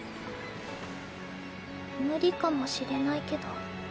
無理かもしれないけど